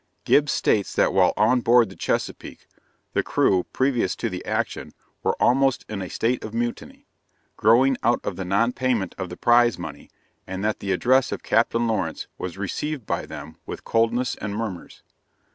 Gibbs states that while on board the Chesapeake the crew previous to the action, were almost in a state of mutiny, growing out of the non payment of the prize money, and that the address of Capt. Lawrence was received by them with coldness and murmurs.